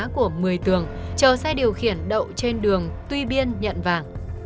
hầm nuôi cá của mười tường chở xe điều khiển đậu trên đường tuy biên nhận vàng